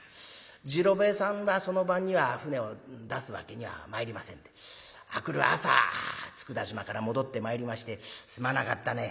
次郎兵衛さんはその晩には舟を出すわけにはまいりませんで明くる朝佃島から戻ってまいりまして「すまなかったね。